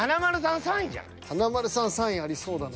華丸さん３位ありそうだな。